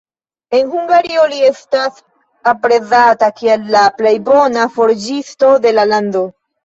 En Hungario li estas aprezata, kiel la plej bona forĝisto de la lando.